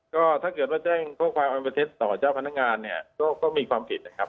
ก็ถ้าเกิดว่าแจ้งข้อความอันเป็นเท็จต่อเจ้าพนักงานเนี่ยก็มีความผิดนะครับ